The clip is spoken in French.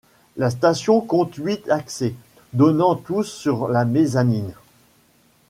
La station compte huit accès, donnant tous sur la mezzanine.